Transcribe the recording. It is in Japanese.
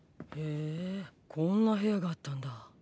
へぇこんな部屋があったんだ。